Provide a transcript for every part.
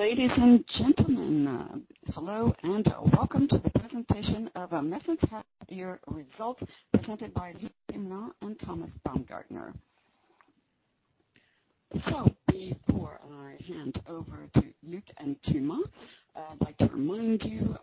Ladies and gentlemen, hello and welcome to the presentation of Mersen's Half-Year Results, presented by Luc Themelin and Thomas Baumgartner. So, before I hand over to Luc and Thomas, I'd like to remind you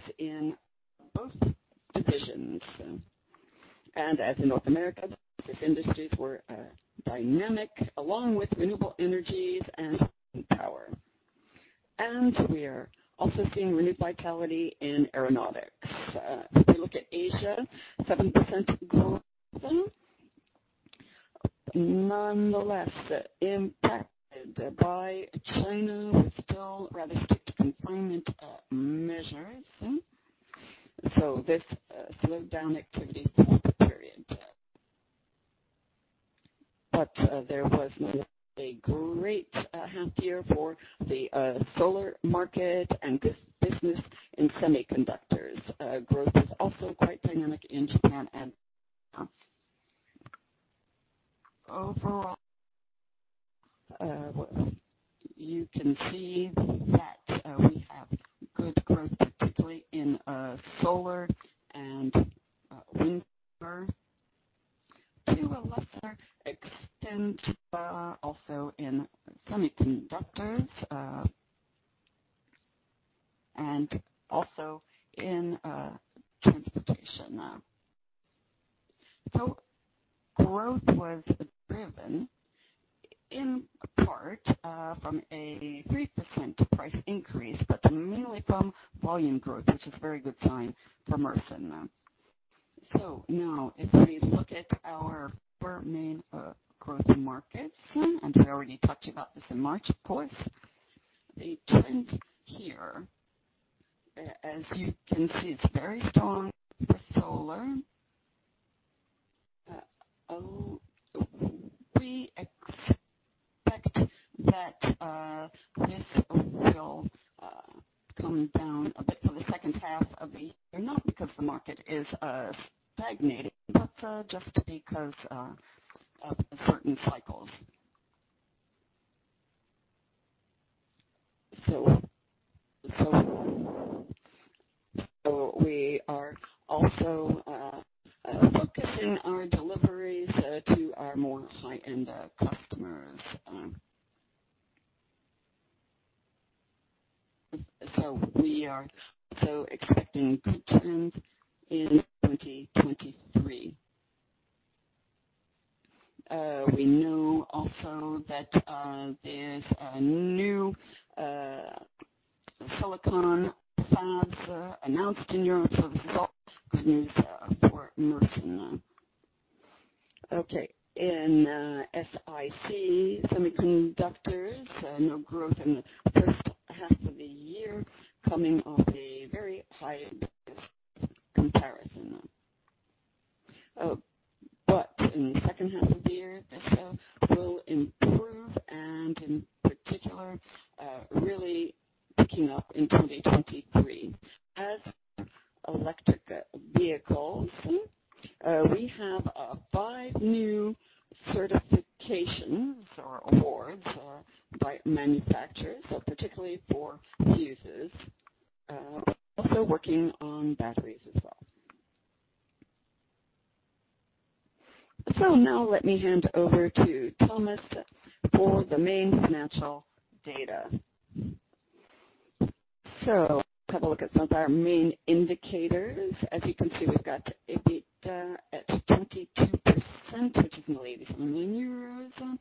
points. And the EBITDA is at EUR 87 million, representing a margin of 16.6%. So again, a good performance. So let's see a few words about our markets. You can see for North America, to begin with, great growth there at 16%. The process industries were very dynamic, in particular for the electrical distribution sector, which reached a record level of EUR 50 million in first half. In the semiconductor market, also very active, as is the wind power industry. We saw good performance in the transport market, particularly in aeronautics and electric vehicles. Now, looking at Europe, organic growth, 11%. This was in both divisions. And as in North America, these industries were dynamic, along with renewable energies and wind power. And we are also seeing renewed vitality in aeronautics. If we look at Asia, 7% growth. Nonetheless, impacted by China with still rather strict confinement measures. So this slowed down activity for the period. But there was a great half year for the solar market and business in semiconductors. Growth was also quite dynamic in Japan and China. Overall, you can see that we have good growth, particularly in solar and wind power, to a lesser extent also in semiconductors and also in transportation. So growth was driven, in part, from a 3% price increase, but mainly from volume growth, which is a very good sign for Mersen. So now, if we look at our four main growth markets, and we already talked about this in March, of course, the trend here, as you can see, is very strong for solar. We expect that this will come down a bit for the second half of the year, not because the market is stagnating, but just because of certain cycles. So we are also focusing our deliveries to our more high-end customers. So we are also expecting good trends in 2023. We know also that there's a new silicon fab announced in Europe. So this is all good news for Mersen. Okay. In SiC semiconductors, no growth in the first half of the year, coming off a very high-end comparison. Really picking up in 2023. As electric vehicles, we have five new certifications or awards by manufacturers, particularly for fuses, also working on batteries as well. So now let me hand over to Thomas for the main financial data. So have a look at some of our main indicators. As you can see, we've got EBITDA at 22%, which is nearly the EUR 1 million,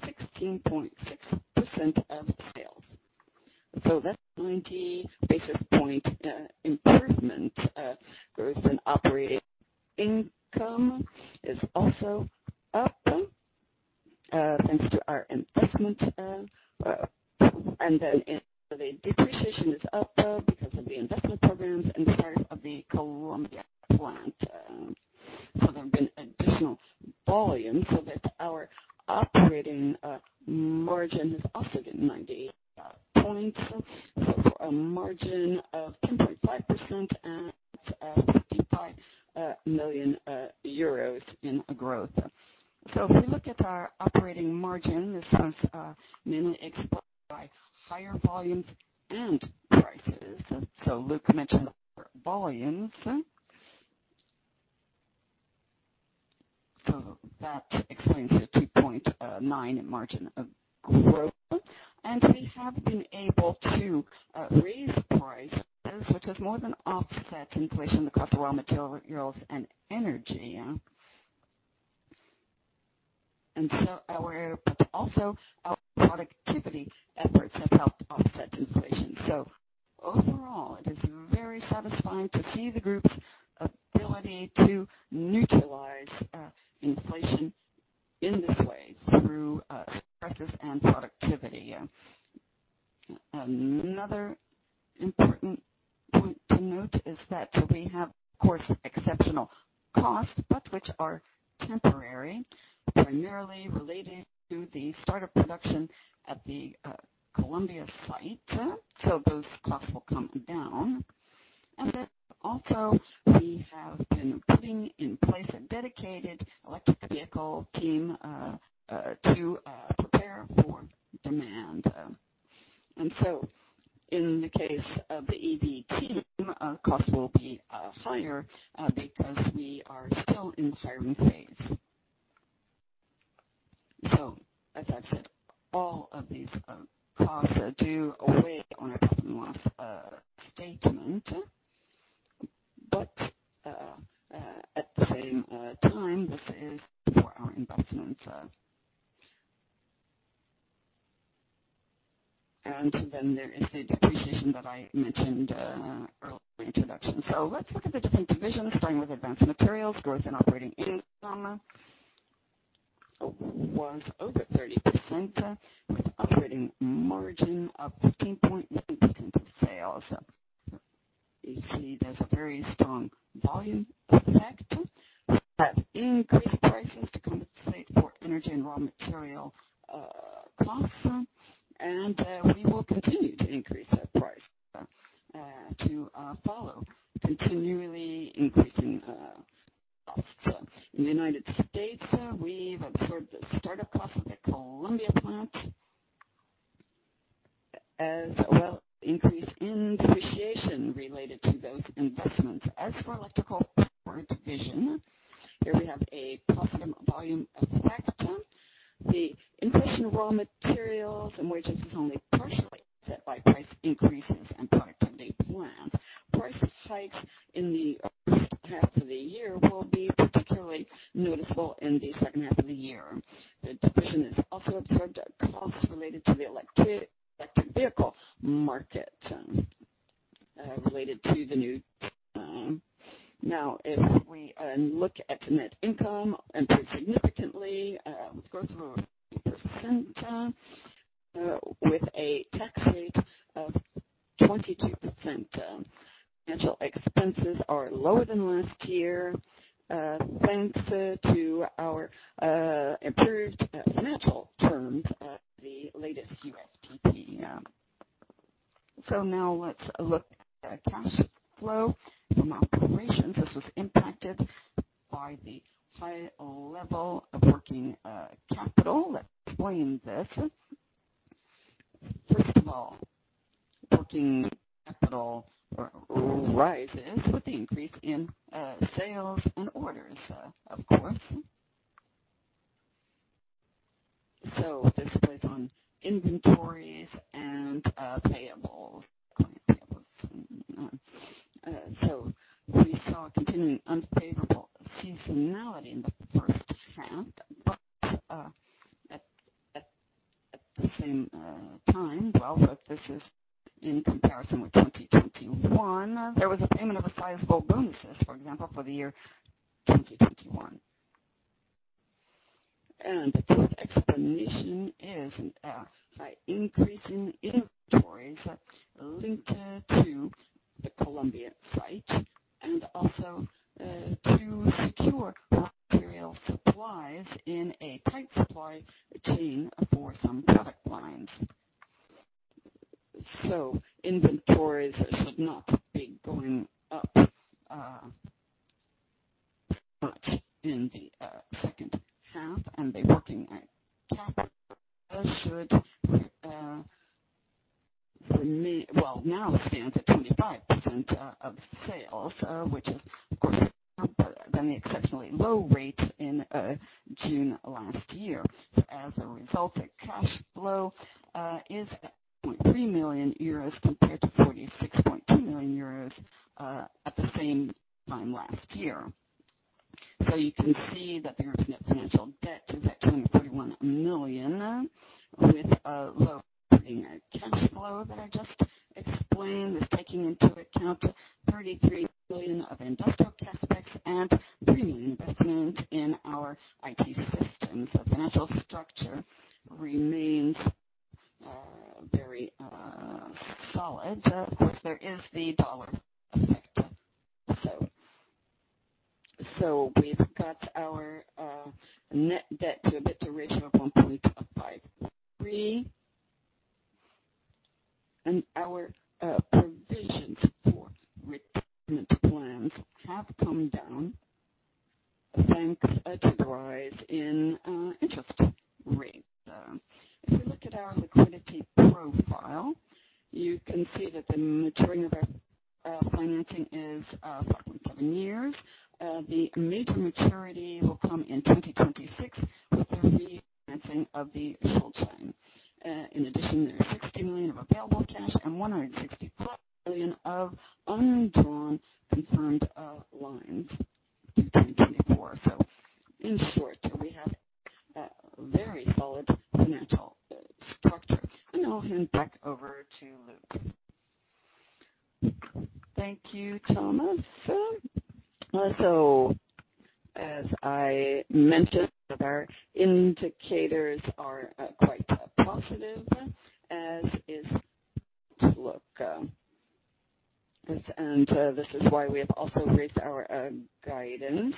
16.6% of sales. So that's a 90 basis point improvement. Growth in operating income is also up, thanks to our investment. Inside of the Columbia plant. So there have been additional volume, so that our operating margin has also been 90 points. So for a margin of 10.5% and EUR 55 millionin growth. So if we look at our operating margin, this was mainly exploited by higher volumes and prices. So Luc mentioned volumes. So that explains the 2.9 margin of growth. And we have been able to raise prices, which has more than offset inflation the cost of raw materials and energy. And so our productivity efforts have helped offset inflation. So overall, it is very satisfying to see the group's ability to neutralize inflation in this way through stresses and productivity. Another important point to note is that we have, of course, exceptional costs, but which are temporary, primarily related to the startup production at the Columbia site. So those costs will come down. And then also, we have been putting in place a dedicated electric vehicle team to prepare for demand. And so in the case of the EV team, costs will be higher because we are still in the hiring phase. So as I've said, all of these costs do weigh on our profit and loss statement. But at the same time, this is for our investments. And then there is the depreciation that I mentioned earlier in the introduction. So let's look at the different divisions, starting with advanced materials. Growth in operating income was over 30%, with operating margin of 15.9% of sales. You see there's a very strong volume effect. We have increased prices to compensate for energy and raw material costs. We will continue to increase that price to follow continually increasing costs. In the United States, we've observed the startup costs of the Columbia plant as well as an increase in depreciation related to those investments. As for electrical power division, here we have a positive volume effect. The inflation in raw materials and wages is only partially set by price increases and productivity plans. Price hikes in the So, we've got our net debt to a bit to rate of 1.53. And our provisions for retirement plans have come down, thanks to the rise in interest rates. If we look at our liquidity profile, you can see that the maturing of our financing is 5.7 years. The major maturity will come in 2026 with the re-financing of the Schuldchein. In addition, there are 60 million of available cash and 165 million of undrawn confirmed lines to 2024. In short, we have a very solid financial structure. I'll hand back over to Luc. Thank you, Thomas. As I mentioned, our indicators are quite positive, as is Luc. This is why we have also raised our guidance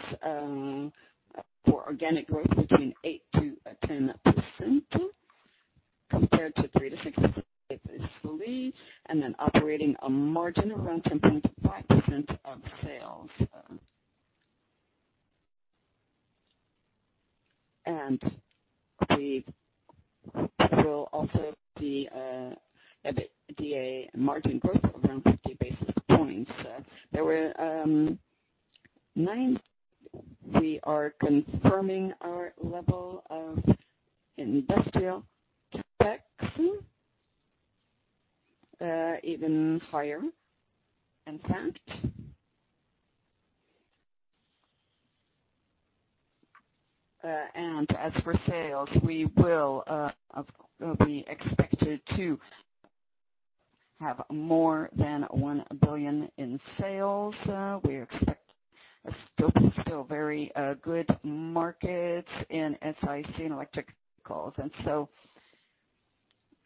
for organic growth between 8%-10% compared to 3%-6% previously, and then operating a margin around 10.5% of sales. We will also be at a DA margin growth of around 50 basis points. There were nine. We are confirming our level of industrial tax, even higher, in fact. And as for sales, we will be expected to have more than EUR 1 billion in sales. We expect still very good markets in SIC and electric vehicles.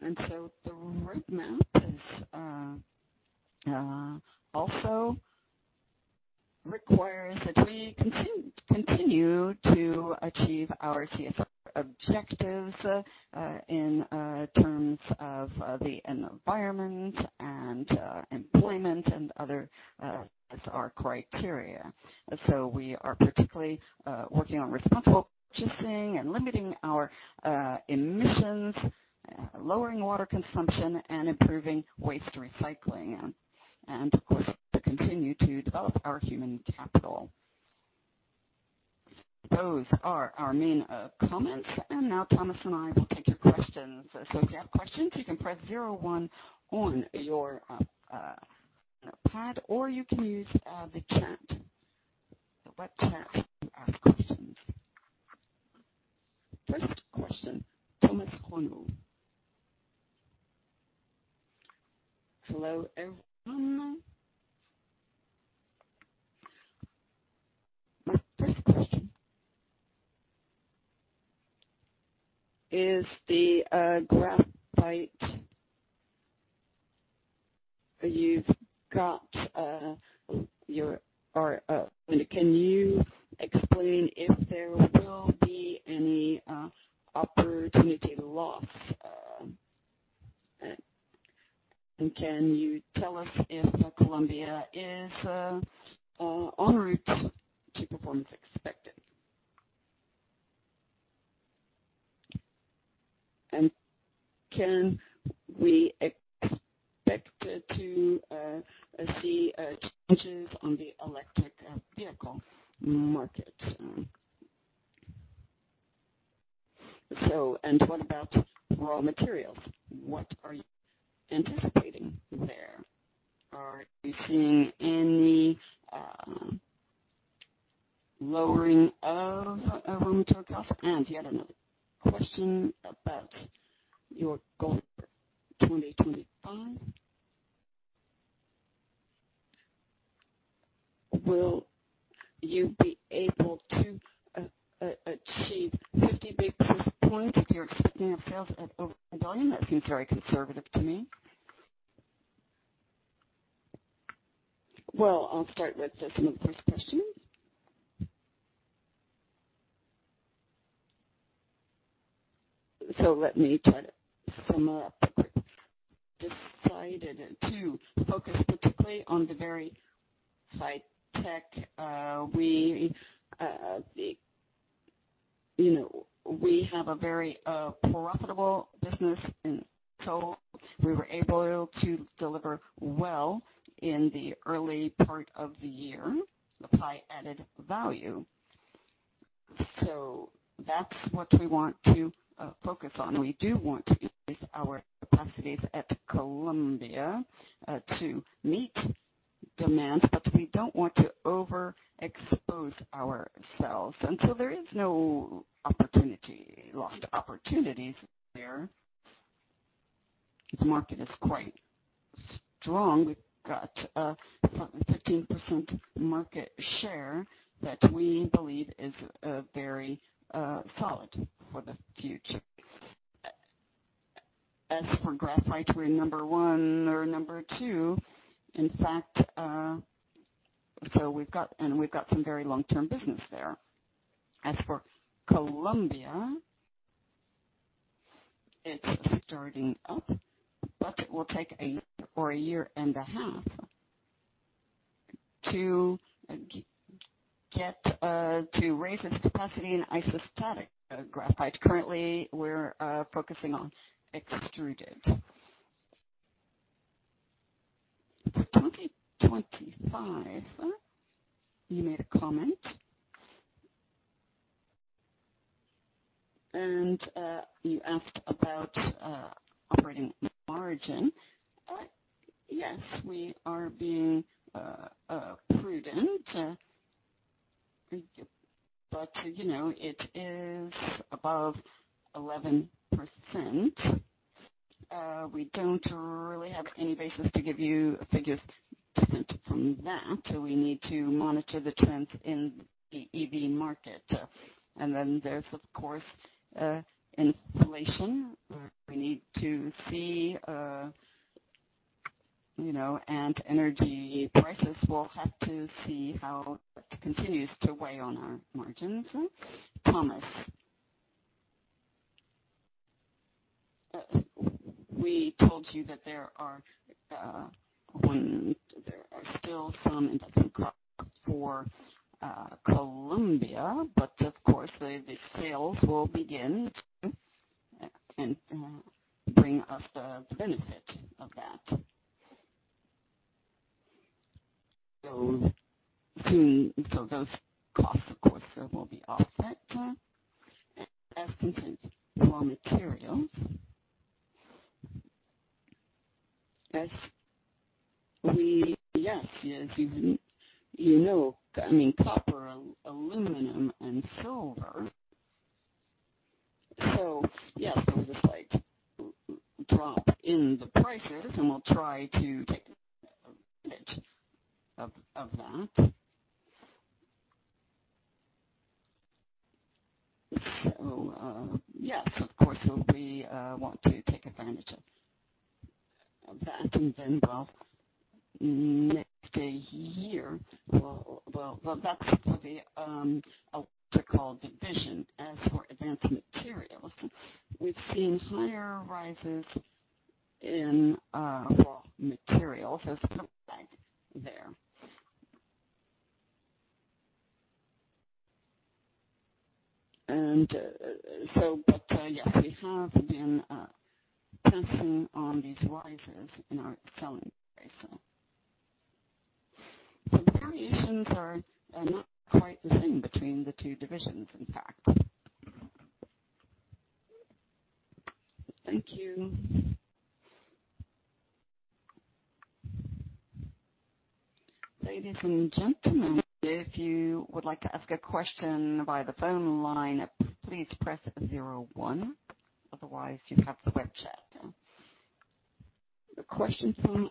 And so the roadmap also requires that we continue to achieve our CSR objectives in terms of the environment and employment and other CSR criteria. So we are particularly working on responsible purchasing and limiting our emissions, lowering water consumption, and improving waste recycling. And of course, to continue to develop our human capital. Those are our main comments. And now Thomas and I will take your questions. So if you have questions, you can press zero one on your pad, or you can use the chat, the web chat, to ask questions. First question, Thomas Konu. Hello, everyone. My first question is the Graphite. You've got your can you explain if there will be any opportunity loss? And can you tell us if Columbia is on route to performance expected? And can we expect to see changes on the electric vehicle market? And what about raw materials? What are you anticipating there? Are you seeing any lowering of raw material costs? And yet another question about your goal for 2025. Will you be able to achieve 50 basis plus points if you're expecting sales at over 1 billion? That seems very conservative to me. Well, I'll start with some of the first questions. So let me try to sum up quickly. Decided to focus particularly on the very high tech. We have a very profitable business, and so we were able to deliver well in the early part of the year. The pie added value. So that's what we want to focus on. We do want to increase our capacities at Columbia to meet demand, but we don't want to overexpose ourselves. There is no opportunity, lost opportunities there. The market is quite strong. We've got 15% market share that we believe is very solid for the future. As for graphite, we're number one or number two, in fact. We've got some very long-term business there. As for Columbia, it's starting up, but it will take a year or a year and a half to raise its capacity in isostatic graphite. Currently, we're focusing on extruded. For 2025, you made a comment. You asked about operating margin. Yes, we are being prudent. But it is above 11%. We don't really have any basis to give you figures different from that. We need to monitor the trends in the EV market. Then there's, of course, inflation. We need to see and energy prices will have to see how it continues to weigh on our margins. Thomas. We told you that there are still some investment costs for Columbia, but of course, the sales will begin to bring us the benefit of that. So those costs, of course, will be offset. And as concerns raw materials, yes, as you know, I mean copper, aluminum, and silver. So yes, we'll just drop in the prices, and we'll try to take advantage of that. So yes, of course, we'll want to take advantage of that. And then next year, well, that's for the electrical division. As for advanced materials, we've seen higher rises in raw materials. There's some lag there. But yes, we have been pressing on these rises in our selling price. So variations are not quite the same between the two divisions, in fact. Thank you. Ladies and gentlemen, if you would like to ask a question via the phone line, please press zero one. Otherwise, you have the web chat. Question from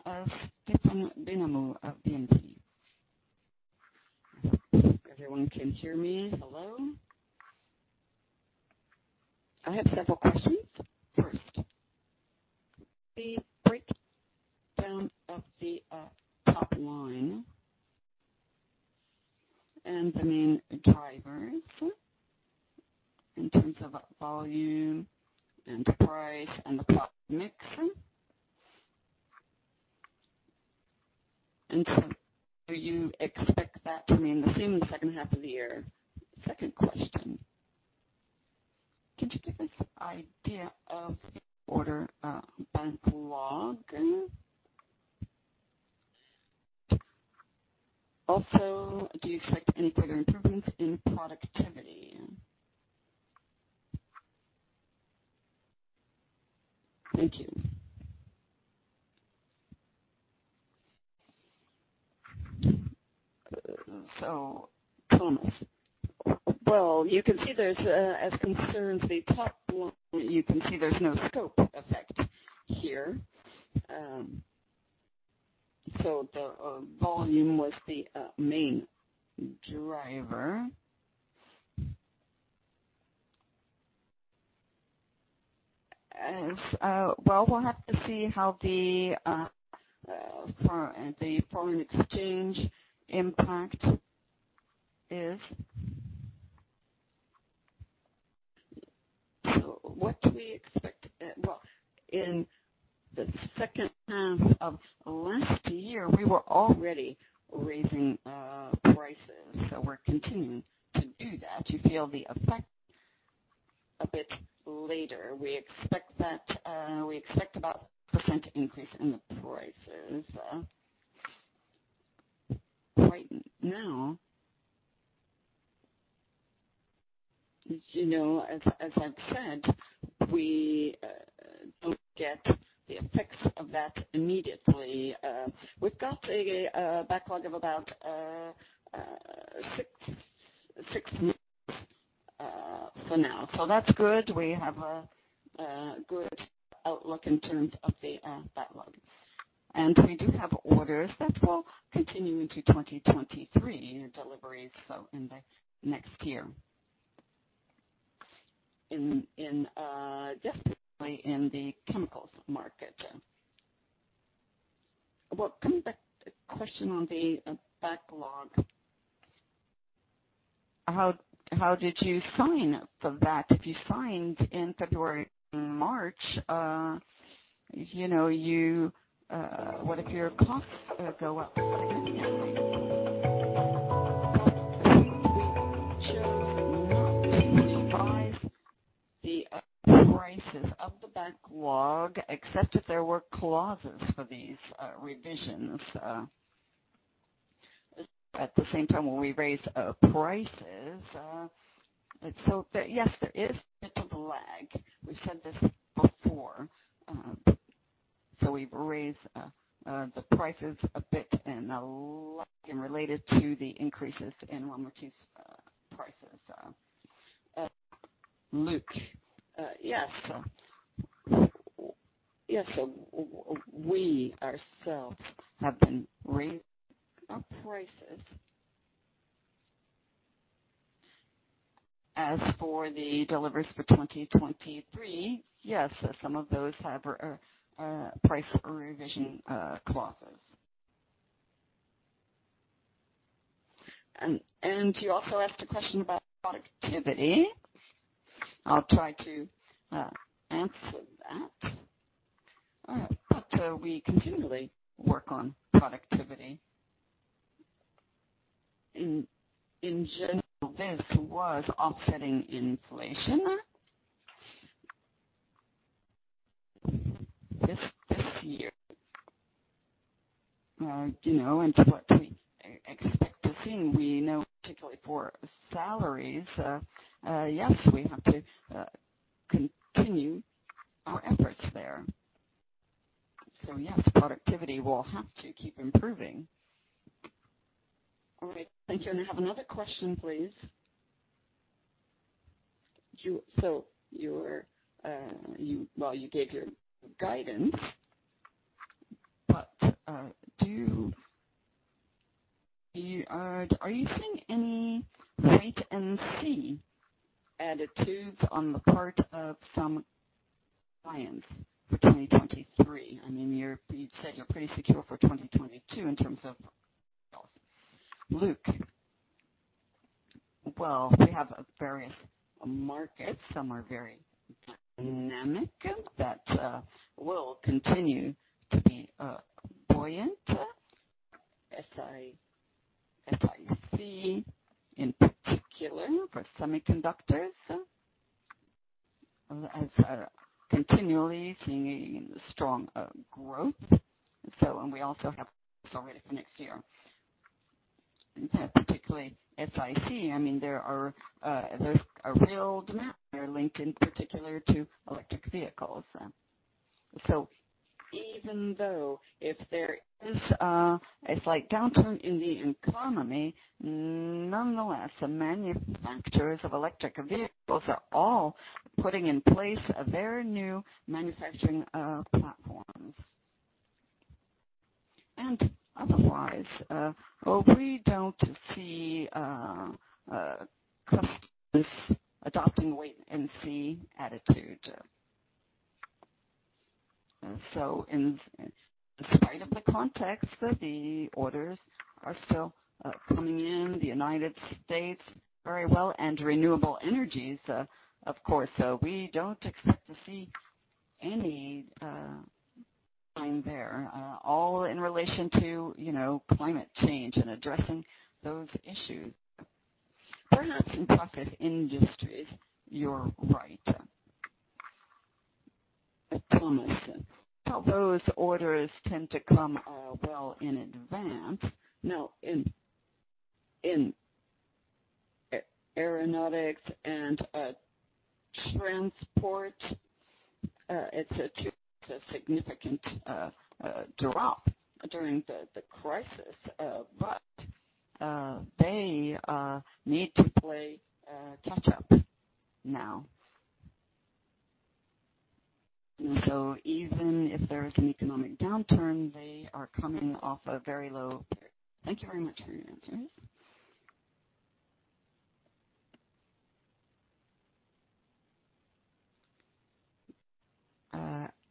Stephen Binamu, BNP. Everyone can hear me? Hello. I have several questions. First, the breakdown of the top line and the main drivers in terms of volume and price and the product mix. And so you expect that to remain the same in the second half of the year. Second question. Could you give us an idea of order bank log? Also, do you expect any further improvements in productivity? Thank you. So Thomas. Well, you can see there's as concerns the top line, you can see there's no scope effect here. So the volume was the main driver. Well, we'll have to see how the foreign exchange impact is. So what do we expect? Well, in the second half of last year, we were already raising prices. So we're continuing to do that. You feel the effect a bit later. We expect about a 5% increase in the prices. Right now, as I've said, we don't get the effects of that immediately. We've got a backlog of about six months from now. So that's good. We have a good outlook in terms of the backlog. And we do have orders that will continue into 2023, deliveries in the next year, definitely in the chemicals market. Well, coming back to the question on the backlog, how did you sign for that? If you signed in February and March, what if your costs go up? We chose not to revise the prices of the backlog, except if there were clauses for these revisions. At the same time, when we raise prices, so yes, there is a bit of a lag. We've said this before. So we've raised the prices a bit in relation to the increases in raw materials prices. Luc. Yes. Yes, so we ourselves have been raising our prices. As for the deliveries for 2023, yes, some of those have price revision clauses. And you also asked a question about productivity. I'll try to answer that. But we continually work on productivity. In general, this was offsetting inflation this year. And so what we expect to see, we know particularly for salaries, yes, we have to continue our efforts there. So yes, productivity will have to keep improving. All right. Thank you. And I have another question, please. So you gave your guidance, but are you seeing any wait-and-see attitudes on the part of some clients for 2023? I mean, you said you're pretty secure for 2022 in terms of sales. Luc. Well, we have various markets. Some are very dynamic that will continue to be buoyant, SIC in particular for semiconductors, continually seeing strong growth. And we also have already for next year. Particularly SIC, I mean, there's a real demand there linked in particular to electric vehicles. So even though if there is a slight downturn in the economy, nonetheless, the manufacturers of electric vehicles are all putting in place very new manufacturing platforms. And otherwise, we don't see customers adopting wait-and-see attitude. So in spite of the context, the orders are still coming in the United States very well and renewable energies, of course. So we don't expect to see any sign there, all in relation to climate change and addressing those issues. Perhaps in process industries, you're right. Thomas. How those orders tend to come well in advance. Now, in aeronautics and transport, it's a significant drop during the crisis, but they need to play catch-up now. So even if there is an economic downturn, they are coming off a very low. Thank you very much for your answers.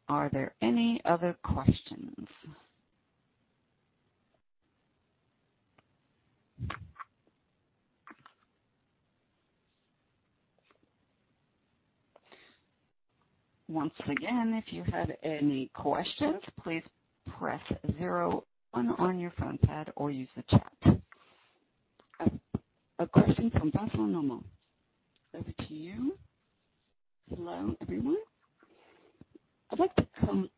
Are there any other questions? Once again, if you had any questions, please press 01 on your phone pad or use the chat. A question from Vincent Normal. Over to you. Hello, everyone. I'd like to come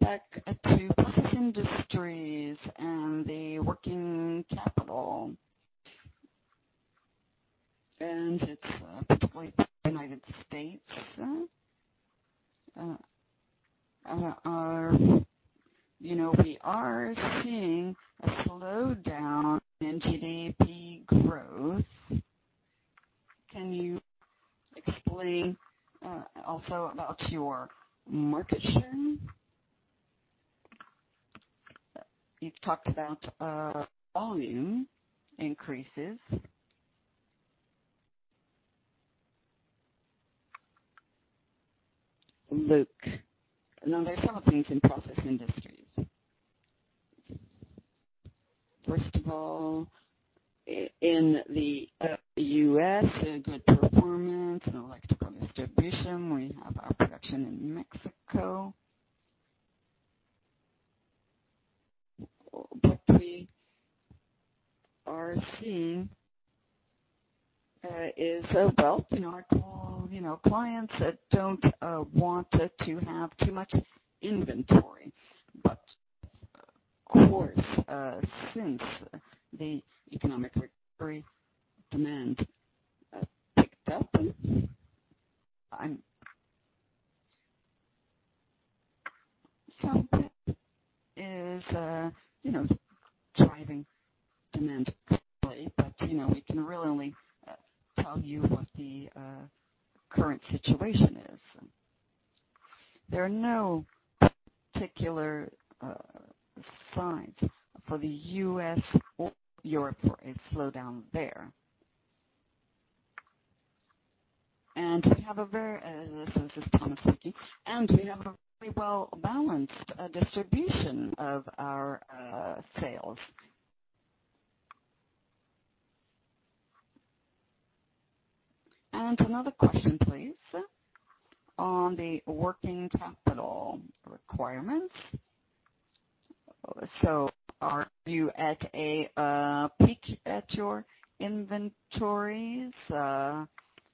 back to process industries and the working capital. And it's particularly the United States. We are seeing a slowdown in GDP growth. Can you explain also about your market share? You've talked about volume increases. Luc. Now, there are several things in process industries. First of all, in the U.S., good performance in electrical distribution. We have our production in Mexico. What we are seeing is, well, our clients don't want to have too much inventory. But of course, since the economic recovery demand picked up, some of that is driving demand quickly. But we can really only tell you what the current situation is. There are no particular signs for the U.S. or Europe for a slowdown there. And we have a very, this is Thomas speaking, and we have a very well-balanced distribution of our sales. And another question, please, on the working capital requirements. So are you at a peak at your inventories?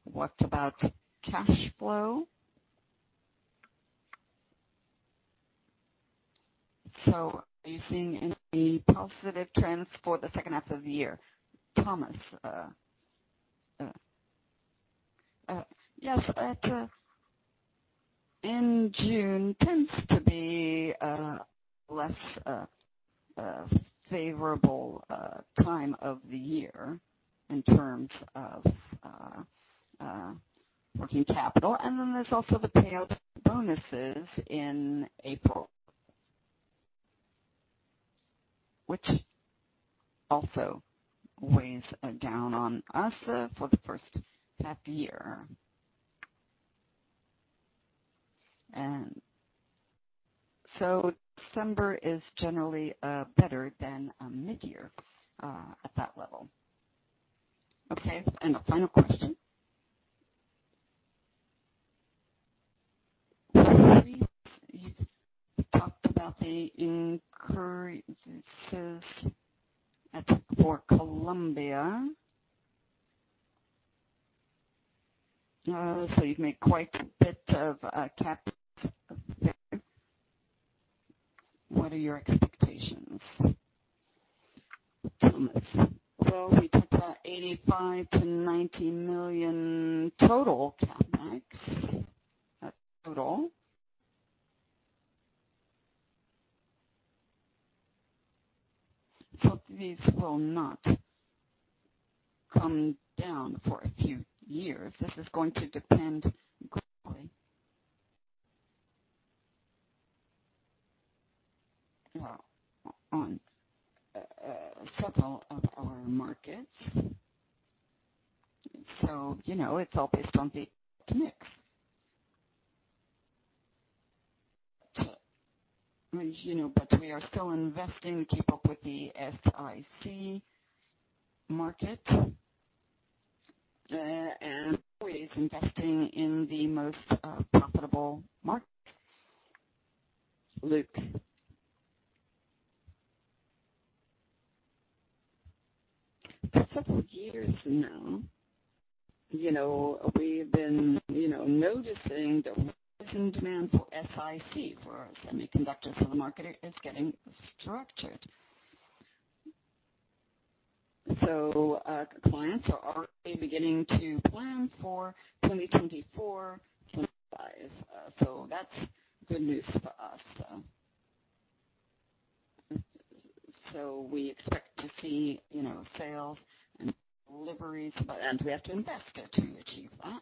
What about cash flow? So are you seeing any positive trends for the second half of the year? Thomas. Yes, in June, it tends to be a less favorable time of the year in terms of working capital. And then there's also the payout bonuses in April, which also weighs down on us for the first half year. And so December is generally better than midyear at that level. Okay. And a final question. We talked about the increases for Columbia. So you've made quite a bit of capital. What are your expectations? Thomas. Well, we talked about 85 to 90 million total CapEx, total. So these will not come down for a few years. This is going to depend greatly on several of our markets. So it's all based on the CapEx. But we are still investing to keep up with the SIC market and always investing in the most profitable market. Luc. For several years now, we've been noticing the rising demand for SIC for semiconductors for the market is getting structured. So clients are already beginning to plan for 2024, 2025. So that's good news for us. So we expect to see sales and deliveries, and we have to invest to achieve that.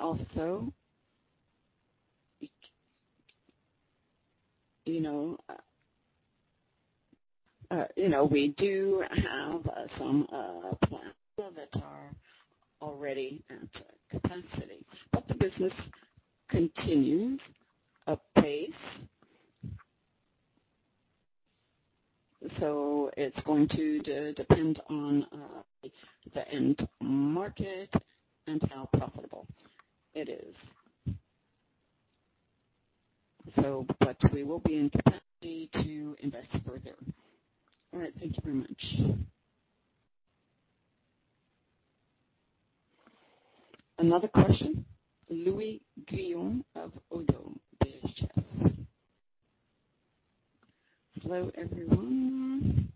Also, we do have some plants that are already at capacity. But the business continues at pace. So it's going to depend on the end market and how profitable it is. But we will be in capacity to invest further. All right. Thank you very much. Another question. Louis Guion of Oddo BHF. Hello, everyone.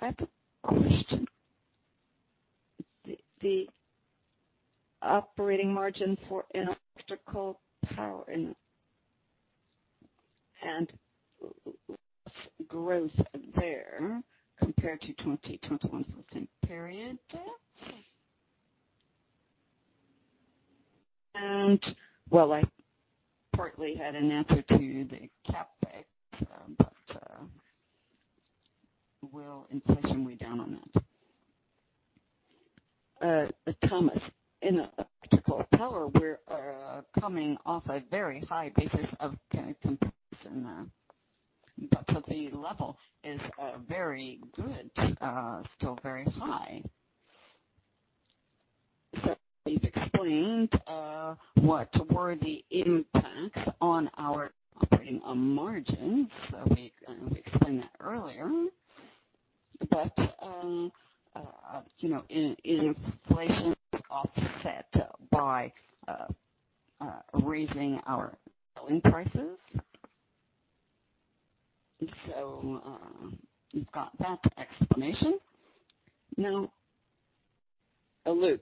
I have a question. The operating margin for electrical power and growth there compared to the 2021 fiscal period? And well, I partly had an answer to the CapEx, but we'll increase when we down on that. Thomas. In electrical power, we're coming off a very high basis of comparison. But the level is very good, still very high. So we've explained what were the impacts on our operating margins. We explained that earlier. But inflation is offset by raising our selling prices. So you've got that explanation. Now, Luc.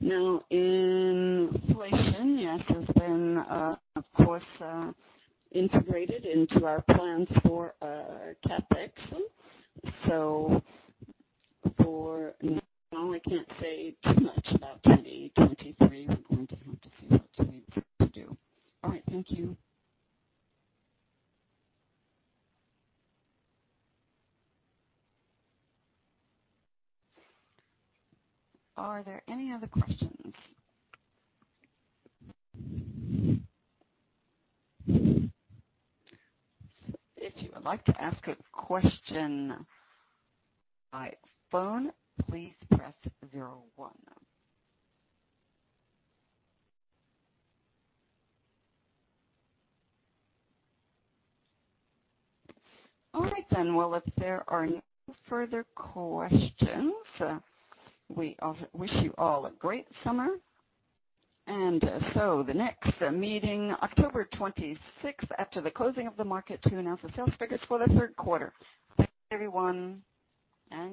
Now, inflation, yes, has been, of course, integrated into our plans for CapEx. So for now, I can't say too much about 2023. We're going to have to see what we do. All right. Thank you. Are there any other questions? If you would like to ask a question by phone, please press 01. All right then. Well, if there are no further questions, we wish you all a great summer. And so the next meeting, October 26th, after the closing of the market to announce the sales figures for the third quarter. Thank you, everyone. And.